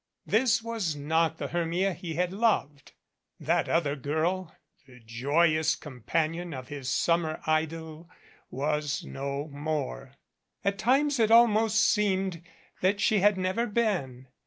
This was not the Hermia he had loved. That other girl, the joyous companion of his summer idyl, was no more. At times it almost seemed that she had never been.